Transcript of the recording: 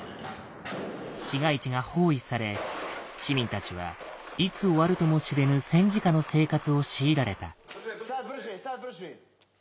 市街地が包囲され市民たちはいつ終わるとも知れぬ戦時下の生活を強いられた。